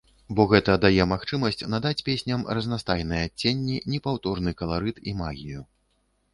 Бо гэта дае магчымасць надаць песням разнастайныя адценні, непаўторны каларыт і магію.